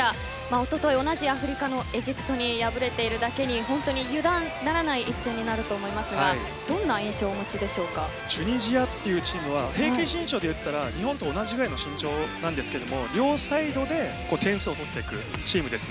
一昨日、同じアフリカのエジプトに敗れているだけに本当に油断ならない一戦になると思いますがチュニジアというチームは平均身長は日本と同じぐらいですが両サイドで点数を取ってくるチームです。